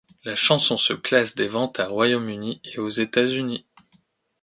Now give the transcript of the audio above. La chanson se classe des ventes a Royaume-Uni et aux États-Unis.